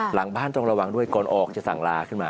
หลังบ้านต้องระวังด้วยก่อนออกจะสั่งลาขึ้นมา